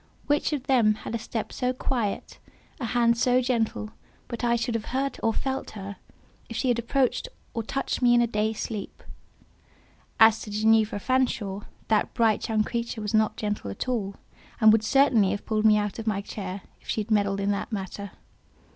Which of them had a step so quiet, a hand so gentle, but I should have heard or felt her, if she had approached or touched me in a day sleep? As to Ginevra Fanshawe, that bright young creature was not gentle at all, and would certainly have pulled me out of my chair, if she had meddled in the matter.